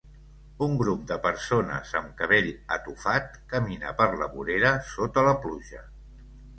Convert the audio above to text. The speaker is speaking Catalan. Un grup de persones amb cabell atofat camina per la vorera sota la pluja.